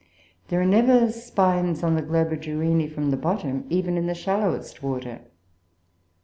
There are never spines on the Globigerinoe from the bottom, even in the shallowest water."